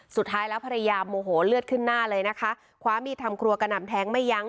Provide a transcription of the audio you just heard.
สุดท้ายแล้วภรรยาโมโหเลือดขึ้นหน้าเลยนะคะคว้ามีดทำครัวกระหน่ำแทงไม่ยั้ง